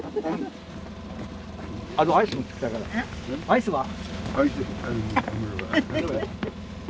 アイスは？